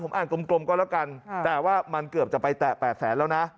อ่านกลมก็แล้วกันแต่ว่ามันเกือบจะไปแตะ๘แสนแล้วนะ